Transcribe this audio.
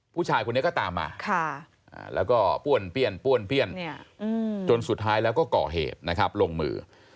ผู้ชายคนนี้ก็ตามมาแล้วก็ป้วนเปี้ยนป้วนเปี้ยนจนสุดท้ายแล้วก็ก่อเหตุนะครับลงมือ